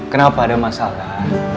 kenapa ada masalah